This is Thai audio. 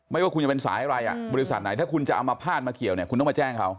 ว่าคุณจะเป็นสายอะไรบริษัทไหนถ้าคุณจะเอามาพาดมาเกี่ยวเนี่ยคุณต้องมาแจ้งเขา